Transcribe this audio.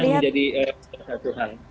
ini menjadi salah satu hal